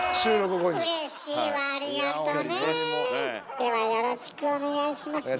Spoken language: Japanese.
ではよろしくお願いします。